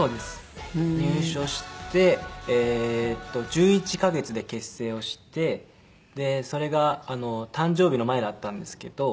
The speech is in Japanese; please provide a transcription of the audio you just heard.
入所して１１カ月で結成をしてでそれが誕生日の前だったんですけど。